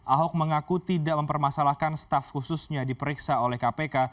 ahok mengaku tidak mempermasalahkan staff khususnya diperiksa oleh kpk